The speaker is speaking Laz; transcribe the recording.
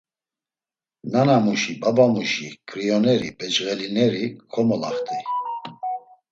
Nanamuşi, babamuşi… Ǩrioneri becğelineri komolaxt̆ey.